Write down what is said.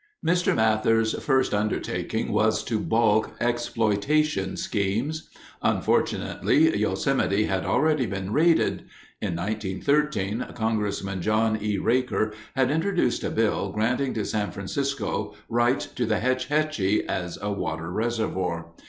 Mr. Mather's first undertaking was to balk exploitation schemes. Unfortunately, Yosemite had already been raided. In 1913 Congressman John E. Raker had introduced a bill granting to San Francisco rights to the Hetch Hetchy as a water reservoir.